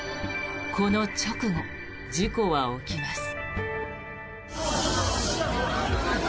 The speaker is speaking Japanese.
この直後、事故は起きます。